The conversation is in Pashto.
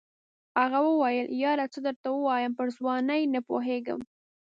هغه وویل یاره څه درته ووایم پر ځوانۍ نه پوهېږم.